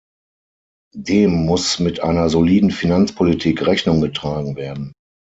Dem muss mit einer soliden Finanzpolitik Rechnung getragen werden.